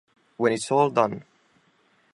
When it's all done.